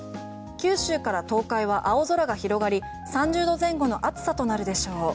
九州から東海は青空が広がり３０度前後の暑さとなるでしょう。